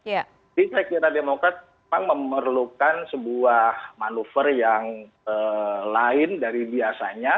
jadi saya kira demokrat memang memerlukan sebuah manuver yang lain dari biasanya